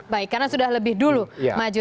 baik karena sudah lebih dulu maju